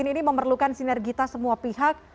ini memerlukan sinergita semua pihak